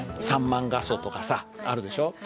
３万画素とかさあるでしょ。